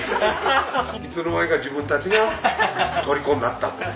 いつの間にか自分たちがとりこになったっていう。